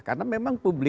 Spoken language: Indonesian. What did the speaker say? karena memang publik